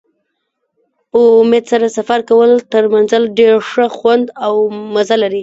په امید سره سفر کول تر منزل ډېر ښه خوند او مزه لري.